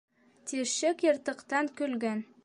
Тишек йыртыҡтан көлгән.